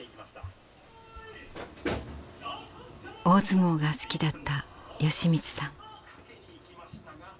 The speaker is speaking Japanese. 大相撲が好きだった好光さん。